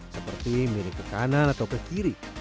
seperti mirip ke kanan atau ke kiri